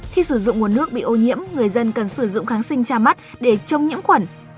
khi sử dụng nguồn nước bị ô nhiễm người dân cần sử dụng kháng sinh ra mắt để chống nhiễm khuẩn